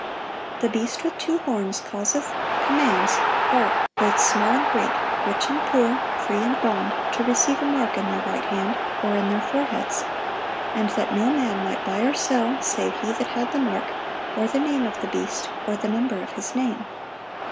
The beast with two horns "causeth [commands] all, both small and great, rich and poor, free and bond, to receive a mark in their right hand, or in their foreheads: and that no man might buy or sell, save he that had the mark, or the name of the beast, or the number of his name."